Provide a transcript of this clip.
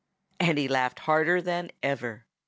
And he laughed harder than ever.